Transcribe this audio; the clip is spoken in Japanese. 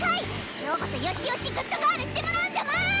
今日こそよしよしグッドガールしてもらうんだもん！